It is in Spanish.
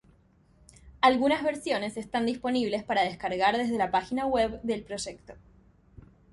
Algunas versiones están disponibles para descargar desde la página web del proyecto.